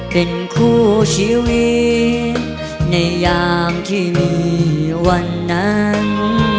เป็นคู่ชีวิตในยามที่มีวันนั้น